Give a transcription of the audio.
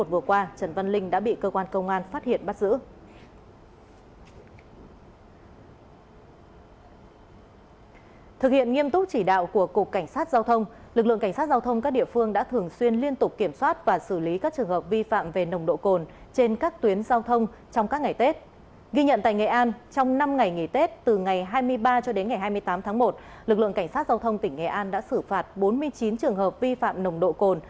lực lượng cảnh sát giao thông tỉnh nghệ an đã xử phạt bốn mươi chín trường hợp vi phạm nồng độ cồn